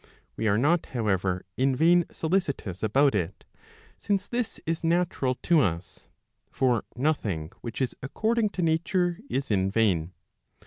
We are not, however, in vain solicitous about it, since this is natural to us; for nothing which is according to nature is in vain.